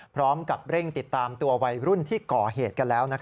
พร้อมกับเร่งติดตามตัววัยรุ่นที่ก่อเหตุกันแล้ว